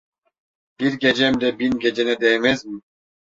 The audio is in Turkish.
Bir gecem de bin gecene değmez mi.